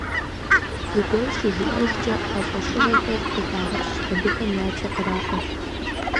Зыгуэр щыжиӀэжкӀэ, а фӀэщыгъэхэр къыхагъэщ, абыхэм я цӀэ къраӀуэ.